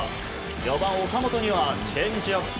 ４番、岡本にはチェンジアップ。